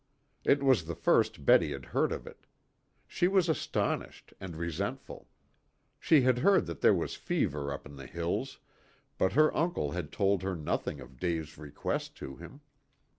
It was the first Betty had heard of it. She was astonished and resentful. She had heard that there was fever up in the hills, but her uncle had told her nothing of Dave's request to him.